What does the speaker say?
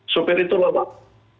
sopir itu lelah